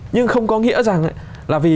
nhưng không có nghĩa rằng là vì